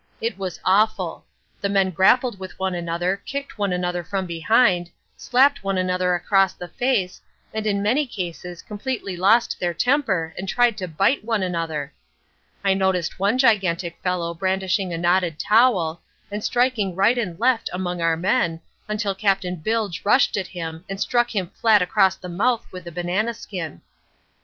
It was awful. The men grappled with one another, kicked one another from behind, slapped one another across the face, and in many cases completely lost their temper and tried to bite one another. I noticed one gigantic fellow brandishing a knotted towel, and striking right and left among our men, until Captain Bilge rushed at him and struck him flat across the mouth with a banana skin.